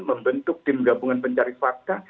membentuk tim gabungan pencari fakta